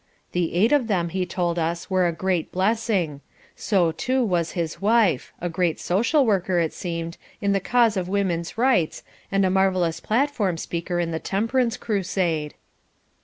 The eight of them, he told us, were a great blessing. So, too, was his wife a great social worker, it seemed, in the cause of women's rights and a marvellous platform speaker in the temperance crusade.